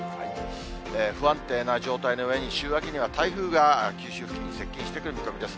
不安定な状態のうえに、週明けには台風が九州付近に接近してくる見込みです。